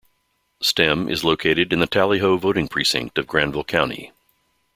Stem is located in the Tally Ho voting precinct of Granville County.